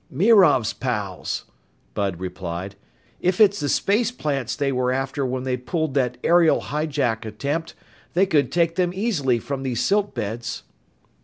"Mirov's pals," Bud replied. "If it's the space plants they were after when they pulled that aerial hijack attempt, they could take them easily from these silt beds."